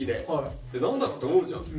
「何だろう？」って思うじゃん。